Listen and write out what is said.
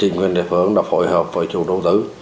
quyền địa phương đã phối hợp với chủ đầu tư